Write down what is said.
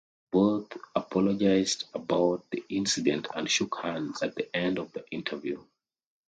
Both apologised about the incident and shook hands at the end of the interview.